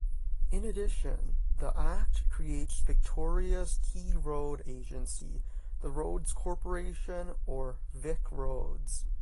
In addition, the Act creates Victoria's key road agency, the Roads Corporation or VicRoads.